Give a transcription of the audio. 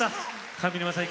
上沼さん